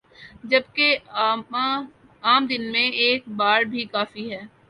جبکہ کا اعادہ دن میں ایک بار بھی کافی ہے